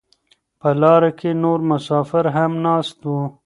په لاره کې نور مسافر هم ناست وو.